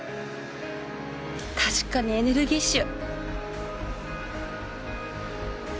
確かにエネルギッシュ！